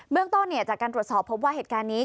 เรื่องต้นจากการตรวจสอบพบว่าเหตุการณ์นี้